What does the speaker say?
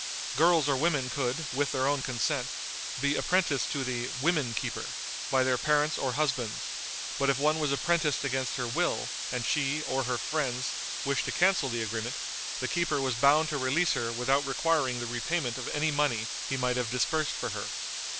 Girls or women could, with their own consent, be apprenticed to the "women keeper" by their parents or husbands; but if one was apprenticed against her will, and she, or her friends, wished to cancel the agreement, the keeper was bound to release her without requiring the repayment of any money he might have disbursed for her.